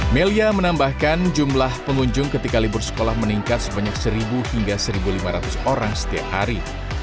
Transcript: melia menambahkan jumlah pengunjung ketika libur sekolah meningkat sebanyak satu hingga satu lima ratus orang setiap hari